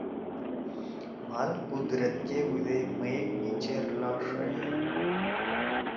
مھال قدرت کے بُودے مئیگ مھی چیر لاݜ ݜیدُو!